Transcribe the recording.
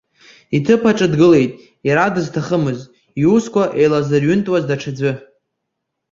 Иҭыԥаҿы дгылеит, иара дызҭахымыз, иусқәа еилазырҩынтуаз даҽаӡәы!